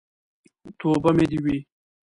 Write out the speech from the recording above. توبه مې دې وي.